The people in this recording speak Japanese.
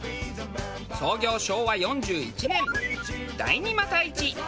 創業昭和４１年第２又一。